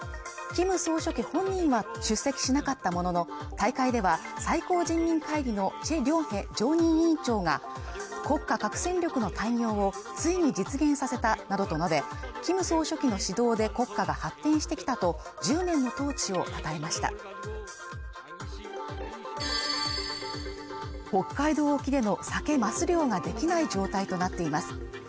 キム総書記本人は出席しなかったものの大会では最高人民会議のチェ・リョンヘ常任委員長が国家核戦力の大業をついに実現させたなどと述べキム総書記の指導で国家が発展してきたと１０年の統治をたたえました北海道沖でのサケ・マス漁ができない状態となっています